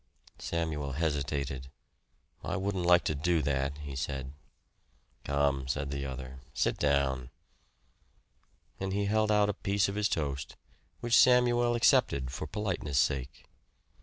Samuel hesitated. "I wouldn't like to do that," he said. "Come," said the other, "sit down." And he held out a piece of his toast, which Samuel accepted for politeness' sake.